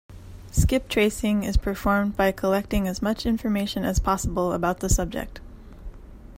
Skiptracing is performed by collecting as much information as possible about the subject.